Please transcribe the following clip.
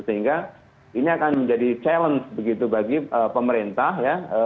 sehingga ini akan menjadi challenge begitu bagi pemerintah ya